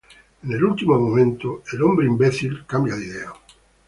En el último momento, Superman cambia de idea.